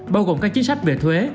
bao gồm các chính sách về thuế